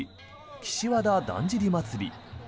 岸和田だんじり祭。